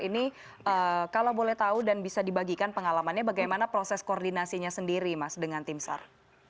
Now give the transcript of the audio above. ini kalau boleh tahu dan bisa dibagikan pengalamannya bagaimana proses koordinasinya sendiri mas dengan tim sar